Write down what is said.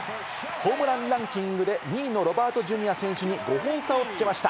ホームランランキングで２位のロバートジュニア選手に５本差をつけました。